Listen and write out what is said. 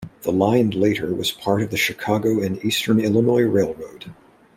The line later was later part of the Chicago and Eastern Illinois Railroad.